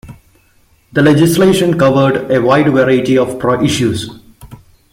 The legislation covered a wide variety of issues.